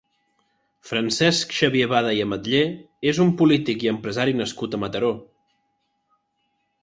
Francesc Xavier Bada i Amatller és un polític i empresari nascut a Mataró.